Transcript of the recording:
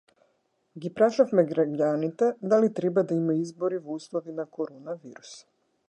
Ги прашавме граѓаните, дали треба да има избори во услови на коронавирус